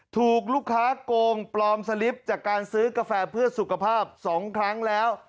ถูกลูกค้าโกงปลอมสลิปจากการซื้อกาแฟเพื่อสุขภาพ๒ครั้งแล้ว